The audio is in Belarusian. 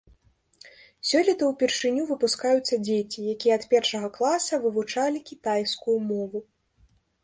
Сёлета ўпершыню выпускаюцца дзеці, якія ад першага класа вывучалі кітайскую мову.